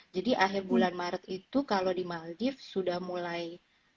jadi akhir bulan maret itu kalau di maldives sudah mulai